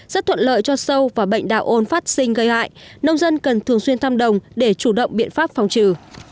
sâu và bệnh đạo ôn phát sinh gây hại nông dân cần thường xuyên thăm đồng để chủ động biện pháp phòng trừ